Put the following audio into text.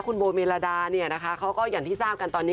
คุณโบเมรดาเขาก็อย่างที่ทราบกันตอนนี้